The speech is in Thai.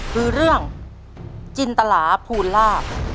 คือเรื่องจินตลาภูลาภ